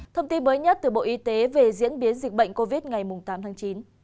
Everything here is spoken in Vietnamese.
thông tin mới nhất từ bộ y tế về diễn biến dịch bệnh covid ngày tám tháng chín